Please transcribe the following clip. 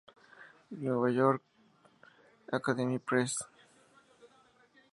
New York: Academic Press.